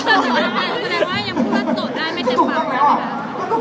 ก็แปลว่ายังพูดว่าโสดได้ไม่เจ็บปากนะ